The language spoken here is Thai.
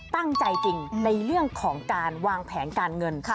ตั้งใจจริงในเรื่องของการวางแผนการเงิน